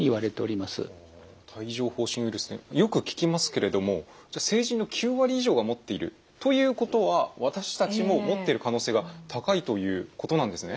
ウイルスよく聞きますけれどもじゃあ成人の９割以上が持っているということは私たちも持ってる可能性が高いということなんですね？